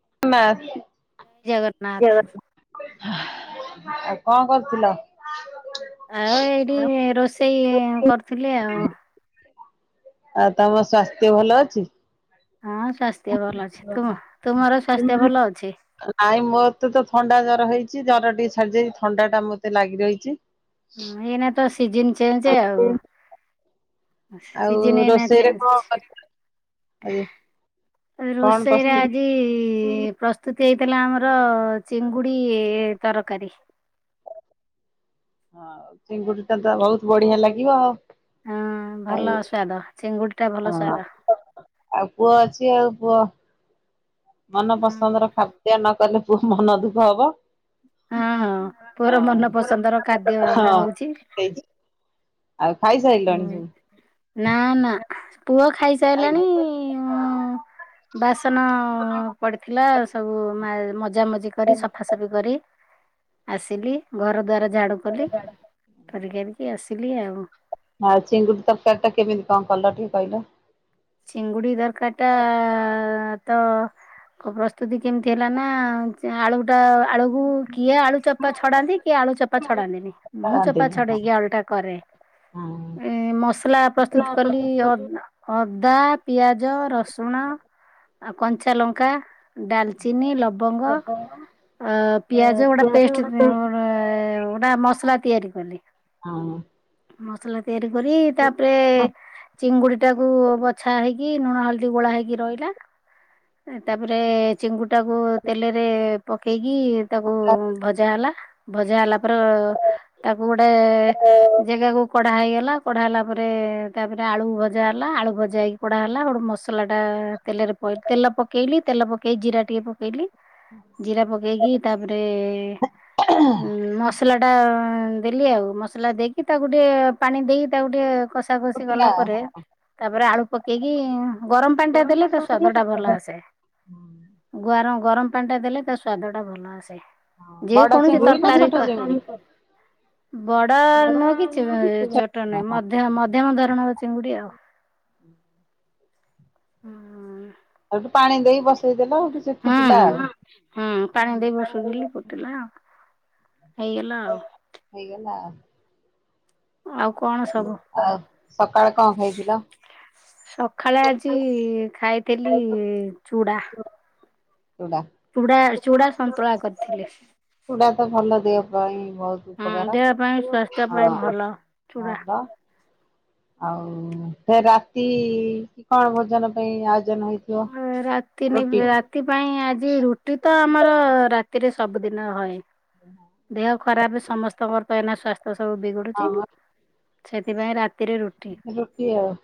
[unintelligible] ଜଗନ୍ନାଥ ଆଉ କଅ କରୁଥିଲ? ଆଉ ଏଇଠି ରୋଷେଇ କରୁଥିଲି ଆଉ ଆଉ ତମ ସ୍ୱାସ୍ଥ୍ୟ ଭଲ ଅଛି? ହଁ ସ୍ୱାସ୍ଥ୍ୟ ଭଲ ଅଛି, ତୁମ ତୁମର ସ୍ଵାସ୍ଥ୍ୟ ଭଲ ଅଛି ନାଇଁ ମୋତେ ତ -ଥଣ୍ଡା ଜର ହେଇଛି, ଜର ଟିକେ ଛାଡି ଯାଇଛି, ଥଣ୍ଡା ଟା ମତେ ଲାଗି ରହିଛି। ହ ଏଇନେ ତ, ସିଜନ ଚେଞ୍ଜ ଆଉ ଆଉ ସିଜିନି ଏଇନା ରୋଷେଇରେ କଣ କରିଥିଲ ଆଜି ଚେଞ୍ଜ କଣ ରୋଷେଇରେ ପ୍ରସ୍ତୁତ? ଆଜି ପ୍ରସ୍ତୁତ ହେଇଥିଲା ଆମର ଚିଙ୍ଗୁଡି ତରକାରୀ। ହଁ ଚିଙ୍ଗୁଡି ଟା ତ ବହୁତ ବଢିଆ ଲାଗିବ ଆଉ ହଁ ଆଉ ଭଲ ସ୍ୱାଦ ଚିଙ୍ଗୁଡି ଟା ଭଲ ସ୍ୱାଦ। ହଁ, ଆଉ ପୁଅ ଅଛି, ଆଉ ପୁଅ ମନ ହୁଁ ପସନ୍ଦର ଖାଦ୍ୟ ନକଲେ ପୁଅ ମନ ଦୁଃଖ ହବ। ହଁ ହଁ ପୁଅର ମନ ହଁ ପସନ୍ଦର ଖାଦ୍ୟ ହଁ ହଉଛି। ହେଇଛି ଆଉ ଖାଇସାରିଲଣି ହୁଁ ସବୁ ନା, ନା, ପୁଅ ଖାଇନ? ଖାଇସାରିଲାଣି। ଉ ବାସନ ପଡିଥିଲା ସବୁ ମା ମ ମଜାମଜି କରି ସଫାସଫି କରି ଆସିଲି ଘର ଦ୍ୱାର ଝାଡୁ କଲି, କରିକାରିକି ଆସିଲି ଆଉ ହଁ ଚିଙ୍ଗୁଡି ତରକାରୀ ଟା କେମିତି କଣ କଲ ଟିକେ କହିଲ? ଚିଙ୍ଗୁଡି ତରକାରୀ ଟା ତ ପ୍ରସ୍ତୁତି କେମିତି ହେଲା ନା ଆଳୁ ଆଳୁକୁ କିଏ ଆଳୁ ଚୋପା ଛଡାନ୍ତି, କିଏ ଆଳୁ ଚୋପା ଛଡାନ୍ତିନି, ମୁଁ ଚୋପା ଜାଣନ୍ତିନି ହଁ ଛଡେଇକି ଆଳୁ ଟା କରେ ହଁ ଏ ମସଲା ପ୍ରସ୍ତୁତ କଲି। ଅ ଅ ଅଦା, ପିଆଜ, ରସୁଣ ଆଉ କଞ୍ଚା ଲଙ୍କା ଡାଲଚିନି, ଲବଙ୍ଗ ଅ ପିଆଜ ଗୋଟେ ପେଷ୍ଟ ଉ ନା ମସଲା ତିଆରି କଲି ହଁ ମସଲା ତିଆରି କରି, ତାପରେ ଚିଙ୍ଗୁଡି ଟାକୁ ବଛା ହେଇକି ଲୁଣ ହଳଦୀ ଗୋଳା ହେଇକି ରହିଲା, ତାପରେ ଚିଙ୍ଗୁ ଟାକୁ ତେଲରେ ପକେଇକି ତାକୁ ଭଜା ହେଲା, ଭଜା ହେଲା ଆପର [unintelligible] ତାକୁ ଗୋଟେ ଜାଗାକୁ କଢା ହେଇଗଲା, କଢା ହେଲା ପରେ ତାପରେ ଆଳୁ ଭଜା ହେଲା, ଆଳୁ ଭଜା ହେଇକି କଢା ହେଲା, ଗୋଟେ ମସଲା ଟା ତେଲରେ ପ, ତେଲ ପକେଇଲି, ତେଲ ପକେଇ ଜିରା ଟିକେ ପକେଇଲି ଜିରା ପକେଇକି, ତାପରେ ଉ ମସ ମସଲାଟା ଦେଲି ଆଉ ମସଲା ଦେଇକି ତାକୁ ଟିକେ ପାଣି ଦେଇକି ତାକୁ ଟିକେ କଷା କଷି ଫୁଟିଲା ଗଲା ପରେ ହଁ ତାପରେ ଆଳୁ ପକେଇକି ଉ ଗରମ ପାଣି ଟା ଦେଲେ ତା ସ୍ଵାଦ ଟା ଭଲ ଆସେ। ଗର ଗରମ ପାଣି ଟା ଦେଲେ ତା ସ୍ଵାଦ ଟା ଭଲ ଆସେ ହଁ ଯେ ବଡ କୌଣସି ଚିଙ୍ଗୁଡି ନା ତରକାରୀ ଛୋଟ [unintelligible] ଚିଙ୍ଗୁଡି? ବଡ ନହ କିଛି ଚୋଟ ନୁହେ ଓହୋ ମଧ୍ୟ ମଧ୍ୟମ ଧରଣର ଚିଙ୍ଗୁଡି ଆଉ [unintelligible] ହଁ ଆଉଠୁ ପାଣି ଦେଇ ବସେଇ ଦେଲ ହେଠୁ ସେ ହୁଁ ଫୁଟିଲା ହୁଁ ଆ [unintelligible] ହୁଁ ପାଣି ଦେଇ ବସୁଥିଲି ଫୁଟିଲା ହେଇଗଲା ଆଉ ହେଇଗଲା ଆଉ। ଆଉ କଣ ସବୁ? ଆଉ ସକାଳେ କଣ ଖାଇଥିଲ? ସକାଳେ ଆଜି ଖାଇଥିଲି ଚୁଡା। ଚୁଡା ଚୁଡା ଚୁଡ଼ା ସନ୍ତୁଳା କରିଥିଲି। ପୁଡା ତ ଭଲ, ଦେହ ପାଇଁ ବହୁତ ହୁଁ ଉପକାର ଦେହ ପାଇଁ ସ୍ୱାସ୍ଥ୍ୟ ପାଇଁ ହ ଭଲ ହ ଚୁଡା। ପା ଆଉ ସେ ରାତି କଣ ଭୋଜନ ପାଇଁ ଆଉ ରାତି, ରାତି ପାଇଁ ଆଜି ରୁଟି ତ ଆମର କିରେ ସବୁଦିନ ହଏ। ଦେହ ଖରାପ ସମସ୍ତଙ୍କରଏନା ସ୍ଵାସ୍ଥ୍ୟ ସବୁ ବିଗୁଡୁଛି, ହଁ ସେଥିପାଇଁ ରାତି ରାତିରେ ରୁଟି, ରୁଟି ଆଉ।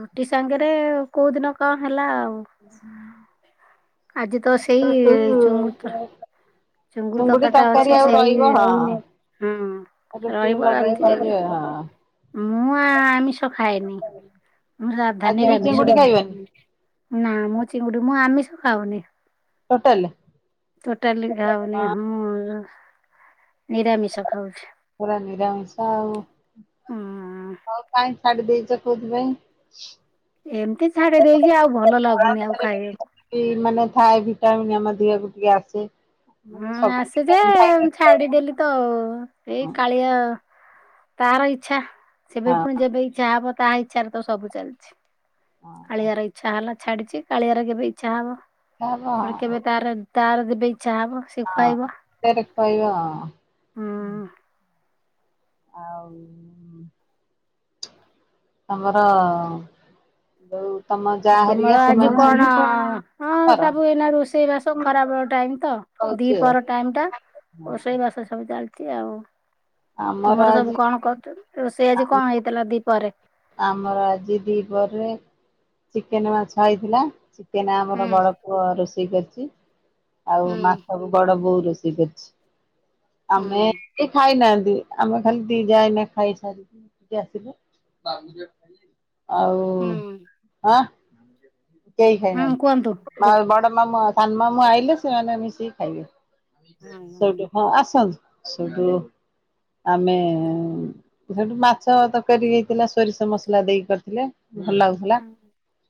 ରୁଟି ସାଙ୍ଗରେ କୋଉ ଦିନ କଣ ହେଲା ଆଉ? [inaudible] ଆଜି ତ ସେଇ ଚୁଙ୍ଗୁଡିତର, ଚୁଙ୍ଗୁଡି ଚିଙ୍ଗୁଡି ତରକାରିଟା ତରକାରୀ ଅଛି ଆଉ ସେଇ ରହିବ ହଁ ହୁଁ, ରୁଟି ରହିବ ଲଗେଇକି ରାତିରେ ବି ଖାଇବି ଆଉ। ହଁ। ମୁଁଆ ଆମିଷ ଖାଏନି। ଆଜି ଧାନୀରେ ବି ଆମିଷ ଚିଙ୍ଗୁଡି ମୁ, ଖାଇବନି ନା ମୁଁ ଚିଙ୍ଗୁଡି ମୁଁ ଆମିଷ ଖାଉନି। ଟୋଟାଲେ? ଟୋଟାଲି ଆଉନି ହଁ। ନିରାମିଷ ଖାଉଛି। ପୁର ନିରାମିଷ ଆଉ, ହୁଁ ହଉ କାଇଁ ଛାଡି ଦେଇବି। ସେ କଦବେ ଏମିତି ଛାଡି ଦେଇଛି ଆଉ ଭଲ ଲାଗୁନି ଆଉ ଖାଇବାକୁ। ମାନେ ଥାଏ ଭିଟାମନ୍ ଆମର ପିବାକୁ ଟିକେ ଆସେ ମୁଁ ହଁ ସବୁ ଆସଯେ, ଭିଟାମିନ୍ ଖାଇଲେ ଛାଡିଦେଲି ତ ଏଇ ହଁ କାଳିଆ ତାର ଇଛା, ସେବେ ପୁଣି ଯେବେ ଇଛା, ହବ ତାହା ଇଚ୍ଛାରେ ତ ସବୁ ଚାଲିଛି। କାଳିଆର ଇଛା ହେଲା ଛାଡିଛି କାଳିଆରେ କେବେ ଇଚ୍ଛା ହବ। ହଁ ପଣ କେବେ ତାର ତାର ଦ ହଁ ସେରପାଇବା ହୁଁ। ଆଉ ଆମର ଯଉ ତୁମର ଆଜି କଣ, ହଁ ଆମର ସବୁ ଏନା ରୋଷେଇ ବାସବ ଖରାପ ଟାଇମ ତ କହୁଛି ଆଉ। ଦିପରହ ଟାଇମ ଟା ହଁ ରୋଷେଇ ବାସ ସବୁ ଚାଲିଛି ଆଉ ଆମର ତୁମର ସବୁ ଆଜି କଣ କର ରୋଷେଇ ଆଜି ଆମ କଣ ହେଇଥିଲା ଦିପରେ? ଆମର ଆଜି ଦିପରେ ଚିକେନ ମାଛ ହେଇଥିଲା। ନା ଆମର ହୁଁ ବଡ ପୁଅ ରୋଷେଇ କରିଛି ଆଉ ହୁଁ ମାଛ ବଡବୋଉ ରୋଷେଇ ଠ ଅଛି, ହୁଁ ଆମେ ଖାଇନାହାନ୍ତି। ଆମେ ଖାଲି ଦ ଯାଇନ ଖାଇାର ଆସ ଆଉ ହୁଁ ହଁ। କେହି ହୁଁ କୁହନ୍ତୁ। ଖାଇନାହା, ବଡମାମୁଁ ସାନମାମୁଁ ଆଇଲେ ସେମାନେ ମିଶିକି ଖାଇବେ। ହୁଁ ସେଟୁ ହଁ ଆସନ୍ତୁ ସେଟୁ ଆମେ ସେଠୁ ମାଛ ତରକାରୀ ହେଇଥିଲା ସୋରିଷ ମସଲା ଦେଇକ କରିଥିଲେ। ଭଲ ଲାଗୁ ହେଲା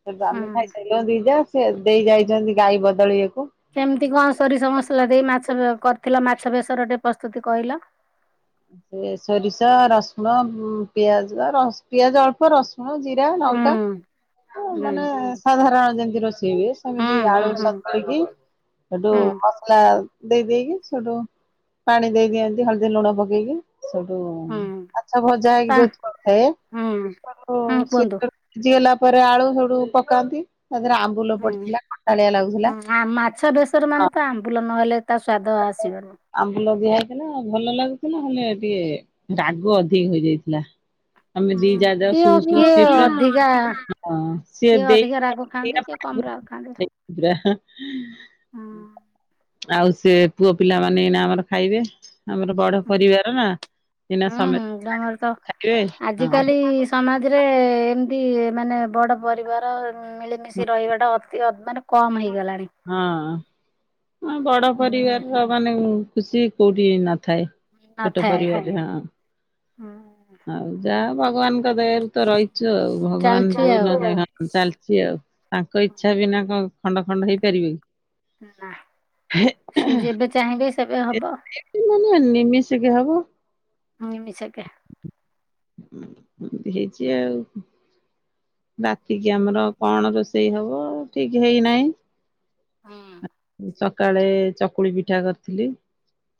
ସେ ଆମେ ହୁଁ ଖାଇସାରିଲୁ ଯା ସେ ଦେଇ ଯାଇଛନ୍ତି ଗାଈ ବଦଳିବାକୁ କେମିତି କଣ ସୋରିଷ ମସଲା ଦେଇ ମାଛ କରିଥିଲ ମାଛବେସରଟେ ପ୍ରସ୍ତୁତି କହିଲ? ସେ ସୋରିଷ, ରସୁଣ, ପିଆଜ, ପିଆଜ ଅଳ୍ପ ରସୁଣ ହୁଁ ନୋକ ହୁଁ ମାନେ ସାଧାରଣ ଯେମିତି ରୋଷେଇ ହୁଏ ହୁଁ ସେମିତି ହୁଁ ଆଳୁ ହୁଁ ସିକି ଏଠୁ ହୁଁ ମସଲା ଦେଇ ଦେଇକି ସେଠୁ ପାଣି ଦେଇଦିଅ, ଏନ୍ତି ହଳଦୀ ଲୁଣ ପକେଇକି ସେଠୁ ହୁଁ ମାଛଭଜା ହେଇକି ତା ଯୋଉ କରିଥାଏ। ହୁଁ ହୁଁ ସେ କୁହନ୍ତୁ। ଭିଜିଗଲା ପରେ ଆଳୁ ଫଳୁ ପକାନ୍ତି। ତା ଦେହରେ ଆମ୍ବୁଲ ହୁଁ ପଡିଥିଲା କଣ୍ଟାଳିଆ ଲାଗୁଥିଲା। ଆ ମାଛ ବେସର ମାନେ ତ ଆମ୍ବୁଲ ନହେଲେ ତା ସ୍ଵାଦ ଆସିବନି। ହେଲା ଭଲ ଲାଗୁଥିଲା ନା ହେଲେ ଟିକେ ରାଗ ଅଧିକ ହେଇଯାଇଥିଲା। ଆମେ ଦି ହୁଁ ଯାଉ ସୁ କିଏ କିଏ ଅଧିକା ସି କିଏ ଦେଇ ଅଧିକା ରାଗ ଖାଆନ୍ତି କିଏ କମ ରାଗ ଖାଆନ୍ତି। [unintelligible] ଆଉ ହୁଁ ସେ ପୁଅ ପିଲାମାନେ, ଏଇନା ଆମର ଖାଇବେ। ଆମର ବଡ ପରିବାର ନା। ଏଇନା ହୁଁ ସମସ୍ତେ ତମର ତ, ଖାଇବେ ଆଜିିକାଲି ହଁ ସମାଜ ରେ ଏମତି ମାନେ ବଡ଼ ପରିବାର ମିଳିମିଶି ରହିବାଟା ଅତି [unintelligible] ହଁ ବଡ଼ ଉଁ ପରିବାର ମାନେ ଖୁସି କୋଉଠି ନ ଥାଏ ଛୋଟ ନଥାଏ। ପରିବାର ରେ ହଁ ହୁଁ ଆଉ ଯାହା ଭଗବାନ୍ ଙ୍କ ଦୟାରୁ ତ ରହିଚୁ ଆଉ, ଭଗବାନ୍ ଚାଲିଛି ଦୋଉନ୍ ଆଉ ନାହଁନ୍ ହଁ ଚାଲିଚି ଆଉ। ତାଙ୍କ ଇଛା ବିନା କଣ ଖଣ୍ଡ ଖଣ୍ଡ ହେଇପାରିବେ କି? ନା ସେ ଯେବେ ଚାହିଁବେ ସେବେ ହବ। ଏକାଥରେ ନିମିଶିକେ ହବ। ନିମିଷେକେ ଉଁ ଉଁ ହେଇଚି ଆଉ ରାତି କି ଆମର କଣ ରୋଷେଇ ହବ ଠିକ୍ ହେଇନାହିଁ। ହୁଁ ଉଁ ସକାଳେ ଚକୁଳି ପିଠା କରିଥିଲି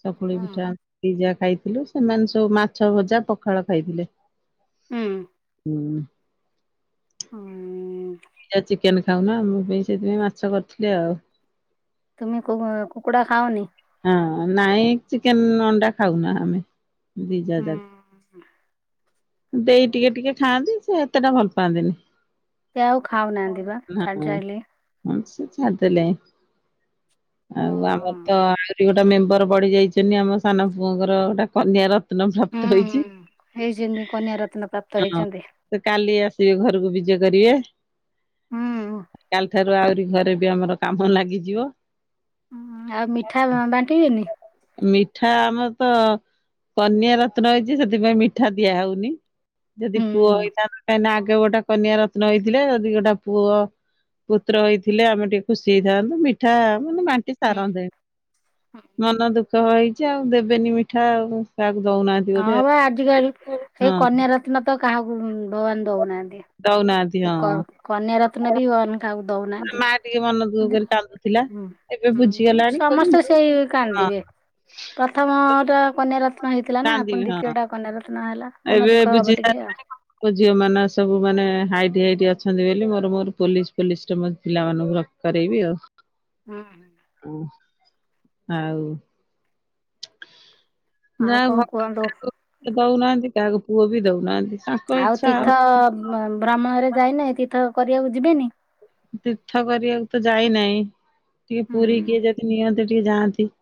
ଚକୁଳି ହୁଁ ପିଠା ଦି ଯା। ଖାଇଥିଲୁ ସେମାନେ ସବୁ ମାଛ ଭଜା ପଖାଳ ଖାଇଥିଲେ। ହୁଁ ଉଁ ହୁଁ ଉଁ ଉଁ ଦି ଯା ଚିକେନ୍ ଖାଉ ନା, ମୁଁ ବି ସେଇଥିପାଇଁ ମାଛ କରିଥିଲି ଆଉ। ତୁମେ କୁ କୁକୁଡ଼ା ଖାଅନି? ହଁ ନାଇଁ ଚିକେନ୍ ଅଣ୍ଡା ଖାଉନା ଆମେ। ଦି ଯା ହୁଁ ଯାକ। ଦେଇ ଟିକେ ଟିକେ ଖାଆନ୍ତି ସେ ଏତେଟା ଭଲ୍ ପାଆନ୍ତିନି। ସେ ଆଉ [unintelligible] ଖାଉନାହାନ୍ତି ବା ଛାଡି ସାଇଲେ। ଛାଡି ଦେଲେ ଆଉ ଆମର ତ ହୁଁ ସେଠି ଗୋଟେ ମେମ୍ବର ବଢି ଯାଇଚନ୍ତି ଆମ ସାନ ପୁଅଙ୍କର ଗୋଟେ କନ୍ୟା ରତ୍ନ ପ୍ରାପ୍ତ ହେଇଛି ହେଇଛନ୍ତି କନ୍ୟା ରତ୍ନ ପ୍ରାପ୍ତ ହଁ ହେଇଛନ୍ତି। ସେ କାଲି ଆସିବେ। ସେ ଘରକୁ ବିଜେ କରିବେ। ହୁଁ କାଲି ଠାରୁ ଆହୁରି ଘରେ ବି ଆମର କାମ ଲାଗିଯିବ। ଆଉ ମିଠା ବାଣ୍ଟିବେନି? ମିଠା ଆମର ତ କନ୍ୟା ରତ୍ନ ହେଇଛି, ସେଥିପାଇଁ ମିଠା ଦିଆ ହୋଉନି। ଯଦି ହୁଁ ପୁଅ ହେଇଥାନ୍ତା, କାହିଁକି ନା ଆଗେ ଗୋଟେ କନ୍ୟା ରତ୍ନ ହେଇଥିଲେ ଯଦି ଗୋଟେ ପୁଅ ପୁତ୍ର ହେଇଥିଲେ ଆମେ ଟିକେ ଖୁସି ହେଇଥାନ୍ତୁ ମିଠା ହେଇଥାନ୍ତା ମିଠା ହଁ ମୁଁ ବାଣ୍ଟି ହୁଁ ସାରନ୍ତେଣି ମନ ଦୁଃଖ। ହେଇଛି ଆଉ ଦେବେନି ମିଠା ଆଉ ତାଙ୍କର। ହଁ ପା ଆଜିକାଲି ସେଇ ହଁ କନ୍ୟା ରତ୍ନ ତ କାହାକୁ ଭଗବାନ୍ ଦଉନାହାନ୍ତି। ଦଉ ନାହାନ୍ତି। କ୍ କନ୍ୟା ରତ୍ନ ବି ଭଗବାନ୍ କାହାକୁ ଦଉନାହାନ୍ତି। ମା ଟିକେ ମନ ଦୁଃଖ କରି କାନ୍ଦୁଥିଲା। ହୁଁ ଏବେ ଉଁ ବୁଝିଗଲାଣି କହୁଛି ସମସ୍ତେ ମୁଁ ସେଇ ହଁ କାନ୍ଦିବେ। ପ୍ରଥମ ଟା କନ୍ୟା ରତ୍ନ ହେଇଥିଲା ନା ଫୁଣି କାନ୍ଦିବି ହଁ ଦ୍ଵିତୀୟ ଟା କନ୍ୟା ରତ୍ନ ହେଲା ମନ ଦୁଃଖ ହବ ଟିକେ। [unintelligible] ଯୋଉ ଝିଅ ମାନେ ସବୁ ମାନେ ହାଇଟ୍ ହାଇଟ୍। ଅଛନ୍ତି ବୋଲି ମୋର୍ ମୋର୍ ପୋଲିସ୍ ପୋଲିସ୍ ରେ ପିଲାମାନଙ୍କୁ ରଖି କରେଇବି ହୁଁ। ଆଉ। ଉଁ ଆଉ ଆଉ କଣ ଯାହଉ କୁହନ୍ତୁ ଭଗବାନ୍ କାହାକୁ ଝିଅ ବି ଦଉନାହାନ୍ତି କାହାକୁ ପୁଅ ବି ଦଉନାହାନ୍ତି। ତାଙ୍କ ଆଉ ଇଚ୍ଛା ତୀର୍ଥ ଭ୍ରମଣରେ ଯାଇନି, ତୀର୍ଥ କରିବାକୁ ଯିବେନି? ତୀର୍ଥ କରିବାକୁ ତ ଯାଇନାହିଁ ଟିକେ ହୁଁ ପୁରୀ କିଏ ଯଦି ନିଅନ୍ତେ। ଟିକେ ଯାଆନ୍ତି।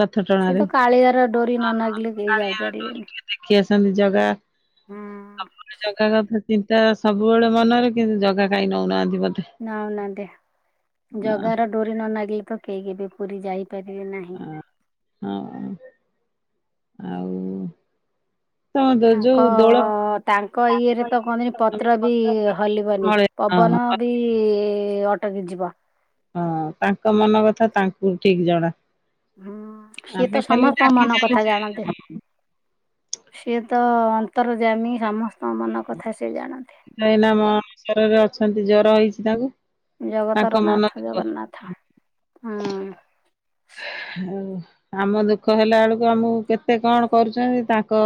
ରଥ ସେ ଟଣାରେ। ତ କାଳିଆର ଡୋରି ନ ଲାଗିଲେ କେହି କାଳିଆର ଡୋରି ଯାଇପାରିବେନି। [unintelligible] ସବୁ ବେଳେ ଜଗା କଥା ଚିନ୍ତା ସବୁବେଳେ ମନରେ କିନ୍ତୁ ଜଗା କାଇଁ ନୋଉନାହାନ୍ତି। ନଉନାହାନ୍ତି। ଜଗାର ହଁ ଡୋରି ନ ଲାଗିଲେ ତ କେହି କେବେ ବି ପୁରୀ ଯାଇ ପାରିବେ ନାହିଁ। ହଁ ଆଉ ତମ ତାଙ୍କ ଯୋଉ ଦୋଳ ତାଙ୍କ ଇଏରେ ତ କହନ୍ତିନି ପତ୍ର ବି ହଲିବନି। ହଁ ପବନ ବି ଅଟକି ଯିବ। ହଁ ତାଙ୍କ ମନ କଥା ତାଙ୍କୁ ଠିକ୍ ଜଣା। ହୁଁ, ସିଏ ଆମେ ତ ଖାଲି ସମସ୍ତଙ୍କ ଡାକି ମନ କଥା ଜାଣନ୍ତି। ସିଏ ତ ଅନ୍ତର୍ଯ୍ୟାମୀ ସମସ୍ତଙ୍କ ମନ କଥା ସିଏ ଜାଣନ୍ତି। ଏଇନା ଅଣସର ରେ ଅଛନ୍ତି ଜର ହେଇଛି ତାଙ୍କୁ। ତାଙ୍କ ଜଗତର ମନ ନାଥ ଦୁଃଖ। ଜଗନ୍ନାଥ, ହୁଁ। ଆଉ ଆମ ଦୁଃଖ ହେଲା ବେଳକୁ ଆମକୁ କେତେ କଣ କରୁଛନ୍ତି। ତାଙ୍କ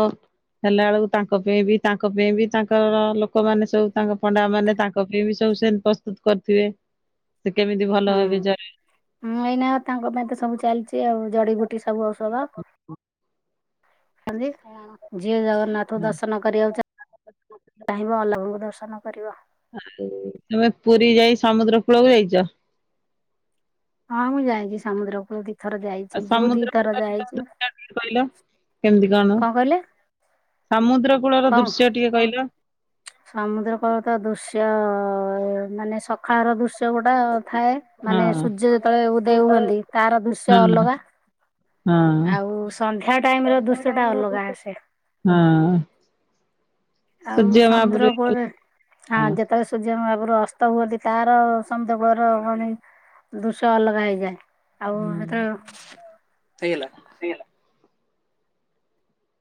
ହେଲା ବେଳକୁ ତାଙ୍କ ପାଇଁ ବି ତାଙ୍କ ପାଇଁ ବି ତାଙ୍କର ଲୋକମାନେ ସବୁ ତାଙ୍କ ପଣ୍ଡା ମାନେ ତାଙ୍କ ପାଇଁ ବି ସବୁ ସେମତି ପ୍ରସ୍ତୁତ କରିଥିବେ। [inaudible] ସେ କେମିତି ଭଲ ହୁଁଁ ହେବେ ଜୟ ମୁଁ ଏଇନା ତାଙ୍କ ପାଇଁ ତ ସବୁ ଚାଲିଛି ଆଉ ଜଡିିବୁଟି ସବୁ ଔଷଧ। [unintelligible] ଯିଏ ଜଗନ୍ନାଥଙ୍କୁ ଆଉ ଦର୍ଶନ କରିବାକୁ ଚାହିଁବ [unintelligible] ଦର୍ଶନ ଦର୍ଶନ କରିବ। ଆଉ ତମେ ପୁରୀ ଯାଇ ସମୁଦ୍ର କୂଳକୁ ଯାଇଚ? ହଁ ମୁଁ ଯାଇଚି ସମୁଦ୍ରକୂଳ ଦେଖି ଥର ଆଉ ଯାଇଛି ଯୋଉ ଦି ସମୁଦ୍ର ଥର କୂଳରେ ଯାଇଛି, ଟିକେ କହିଲ କଣ କହିଲେ? ସମୁଦ୍ର କୂଳ ର କଣ ଦୃଶ୍ୟ ଟିକେ କହିଲ। ସମୁଦ୍ର କୂଳ ତ ଦୃଶ୍ୟ ମାନେ ସକାଳ ର ଦୃ [unintelligible] ଗୋଟା ଥାଏ। ହଁ ମାନେ ସୂର୍ଯ୍ୟ ଯେତେବେଳେ ଉଦୟ ହୁଅନ୍ତି ତାର ଦୃଶ୍ୟ ହଁ ଅଲଗା। ହଁ ଆଉ ସନ୍ଧ୍ୟା ଟାଇମ୍ ର ଦୃଶ୍ୟ ଟା ଅଲଗା ଆସେ। ହଁ ଆଉ ସୂର୍ଯ୍ୟ ସମୁଦ୍ର ମହାପୁରୁ କୂଳରେ ହଁ ଯେତେବେଳେ ସୂର୍ଯ୍ୟ ମହାପୁରୁ ଅସ୍ତ ହୁଅନ୍ତି ତାର ସମୁଦ୍ର କୂଳର ମାନେ ଦୃଶ୍ୟ ଅଲଗା ହେଇଯାଏ। ଆଉ ହୁଁ ହେତେବେଳୁ, ହେଇଗଲା।